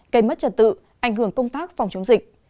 cây mất trần tự ảnh hưởng công tác phòng chống dịch